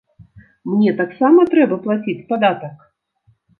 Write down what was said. Мне таксама трэба плаціць падатак?